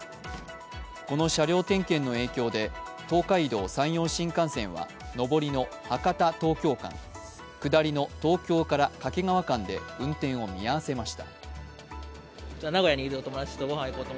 この車両点検の影響で東海道・山陽新幹線は上りの博多−東京間下りの東京から掛川間で運転を見合わせました。